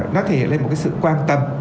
nó thể hiện lên một cái sự quan tâm